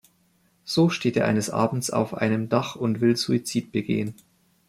So steht er eines Abends auf einem Dach und will Suizid begehen.